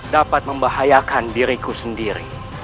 dapat membahayakan diriku sendiri